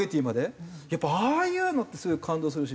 やっぱああいうのってすごい感動するし。